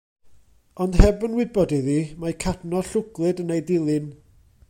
Ond heb yn wybod iddi, mae cadno llwglyd yn ei dilyn.